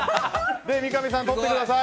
三上さん取ってください。